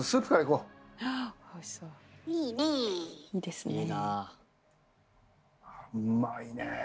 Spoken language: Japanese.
うまいねえ。